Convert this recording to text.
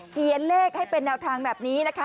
เขียนเลขให้เป็นแนวทางแบบนี้นะคะ